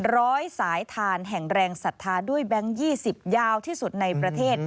ร้อยสายทานแห่งแรงศรัทธาด้วยแบงค์๒๐ยาวที่สุดในประเทศ